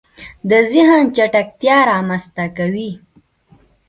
د زهن چټکتیا رامنځته کوي